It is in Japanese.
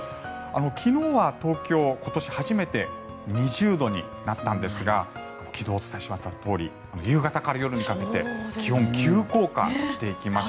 昨日は東京、今年初めて２０度になったんですが昨日、お伝えしましたとおり夕方から夜にかけて気温が急降下していきました。